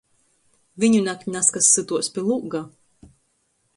Viņunakt nazkas sytuos pi lūga.